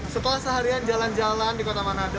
setelah seharian jalan jalan di kota manado